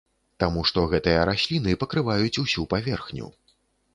Таму што гэтыя расліны пакрываюць усю паверхню.